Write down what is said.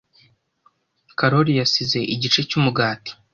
Karoli yasize igice cy'umugati.